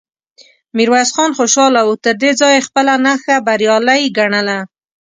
ميرويس خان خوشاله و، تر دې ځايه يې خپله نخشه بريالی ګڼله،